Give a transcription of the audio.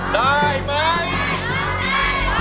คุณสรพงษ์ร้อง